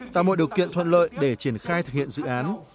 tạo mọi điều kiện thuận lợi để triển khai thực hiện dự án